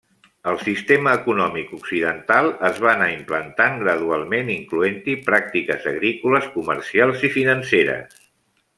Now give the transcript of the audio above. El sistema econòmic occidental es va anar implantant gradualment, incloent-hi pràctiques agrícoles, comercials i financeres.